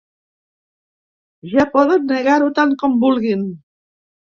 Ja poden negar-ho tant com vulguin.